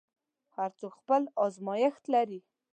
هر څوک خپل ازمېښت لري.